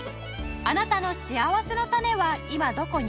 あなたのしあわせのたねは今どこに？